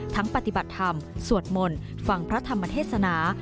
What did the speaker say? ปฏิบัติธรรมสวดมนต์ฟังพระธรรมเทศนา